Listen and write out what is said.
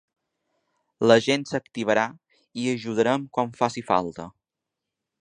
La gent s’activarà i hi ajudarem quan faci falta.